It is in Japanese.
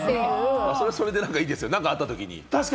それはそれでいいですよね、何かあったときに。